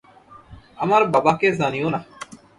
আমার বাবা কে জানিও না।